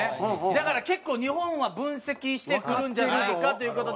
だから結構日本は分析してくるんじゃないかという事で。